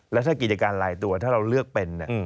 แล้วถ้ากิจการลายตัวถ้าเราเลือกเป็น